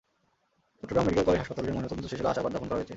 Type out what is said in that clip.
Chittagong medical college হাসপাতালে ময়নাতদন্ত শেষে লাশ আবার দাফন করা হয়েছে।